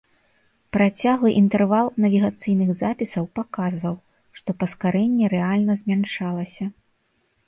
Працяглы інтэрвал навігацыйных запісаў паказваў, што паскарэнне рэальна змяншалася.